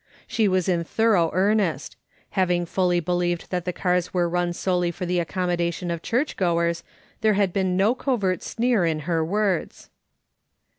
She was in thorough earnest ; having fully believed that the cars were run solely for the accommodation of church goers, there had been no covert sneer in her words.